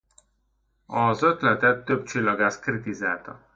Az ötletet több csillagász kritizálta.